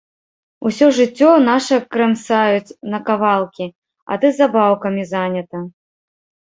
Усё жыццё наша крэмсаюць на кавалкі, а ты забаўкамі занята.